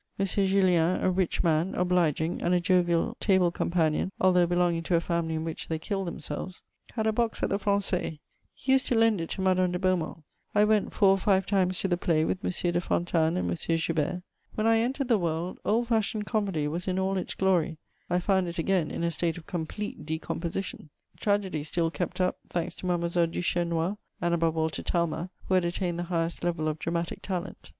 M. Jullien, a rich man, obliging, and a jovial table companion, although belonging to a family in which they killed themselves, had a box at the Français; he used to lend it to Madame de Beaumont: I went four or five times to the play with M. de Fontanes and M. Joubert. When I entered the world, old fashioned comedy was in all its glory; I found it again in a state of complete decomposition. Tragedy still kept up, thanks to Mademoiselle Duchesnois and, above all, to Talma, who had attained the highest level of dramatic talent.